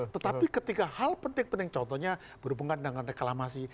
tetapi ketika hal penting penting contohnya berhubungan dengan reklamasi